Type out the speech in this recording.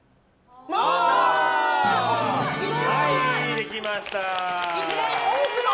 できました。